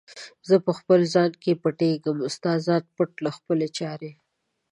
زه په خپل ځان کې پټیږم، ستا ذات پټ له خپلي چارې